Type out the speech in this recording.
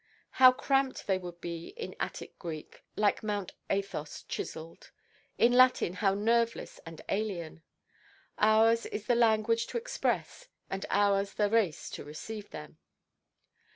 How cramped they would be in Attic Greek (like Mount Athos chiselled); in Latin how nerveless and alien! Ours is the language to express; and ours the race to receive them.